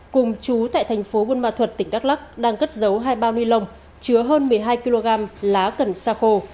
cùng chú tại tp hcm tỉnh đắk lắc đang cất giấu hai bao ni lông chứa hơn một mươi hai kg lá cần xa khổ